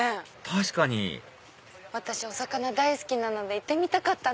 確かにお魚大好きなので行きたかった。